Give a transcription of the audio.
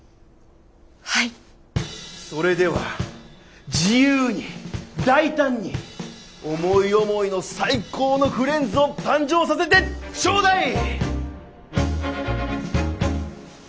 それでは自由に大胆に思い思いの最高のフレンズを誕生させてちょうだい！